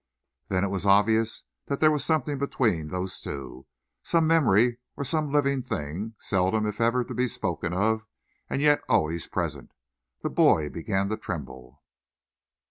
Then it was obvious that there was something between those two, some memory or some living thing, seldom, if ever, to be spoken of, and yet always present. The boy began to tremble.